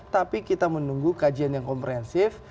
tapi kita menunggu kajian yang komprehensif